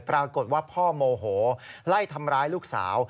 ปรากฏว่าพ่อโมโหไล่ทำร้ายลูกสาว